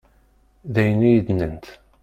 D ayen i yi-d-nnant.